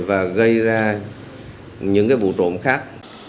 và gây ra những vụ trộm khác